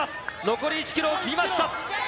残り１キロを切りました。